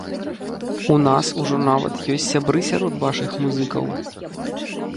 У нас ужо нават ёсць сябры сярод вашых музыкаў.